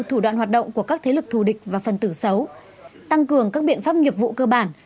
thủ đoạn hoạt động của các thế lực thù địch và phần tử xấu tăng cường các biện pháp nghiệp vụ cơ bản